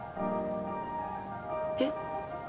えっ？